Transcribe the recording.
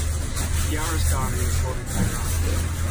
Kiarostami was born in Tehran.